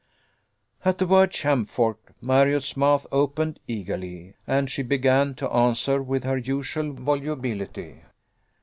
At the word Champfort, Marriott's mouth opened eagerly, and she began to answer with her usual volubility.